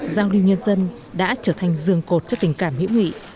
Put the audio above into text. giao lưu nhân dân đã trở thành giường cột cho tình cảm hữu nghị